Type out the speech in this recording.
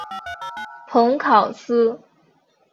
蓬考斯。